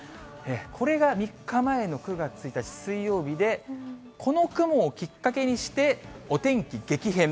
これが３日前の９月１日水曜日で、この雲をきっかけにして、お天気激変。